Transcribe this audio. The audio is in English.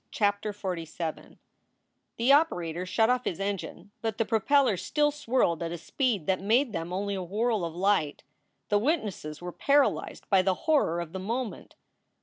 CHAPTER XLVII THE operator shut off his engine, but the propellers still swirled at a speed that made them only a whorl of light. The witnesses were paralyzed by the horror of the moment.